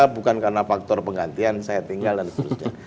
bukan karena faktor penggantian saya tinggal dan seterusnya